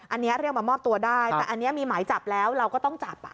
อันนี้เรียกมามอบตัวได้แต่อันนี้มีหมายจับแล้วเราก็ต้องจับ